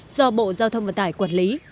do bộ giao thông vận tải quản lý